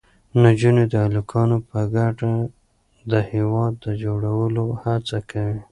نجونې او هلکان په ګډه د هېواد د جوړولو هڅه کوي.